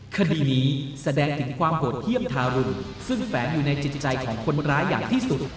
คดีนี้แสดงถึงความโหดเยี่ยมทารุณซึ่งแฝงอยู่ในจิตใจของคนร้ายอย่างที่สุด